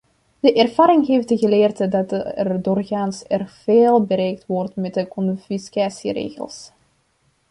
De ervaring heeft geleerd dat er doorgaans erg veel bereikt wordt met confiscatieregels.